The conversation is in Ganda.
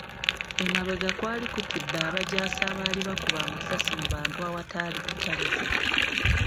Emabega kwali kutudde abajaasi abaali bakuba amasasi mu bantu awataali kutaliza.